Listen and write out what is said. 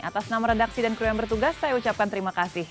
atas nama redaksi dan kru yang bertugas saya ucapkan terima kasih